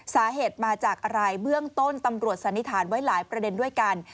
สาเหตุมาจากอะไรเบื้องต้นตำรวจสันนิษฐานไว้หลายประเด็นด้วยกัน